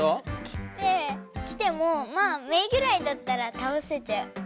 きってきてもまあメイぐらいだったらたおせちゃう。